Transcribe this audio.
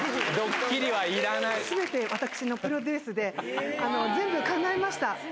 すべて、私のプロデュースで、全部考えました。